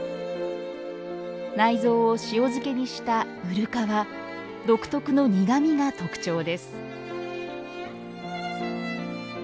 内臓を塩漬けにした「うるか」は独特の苦みが特徴です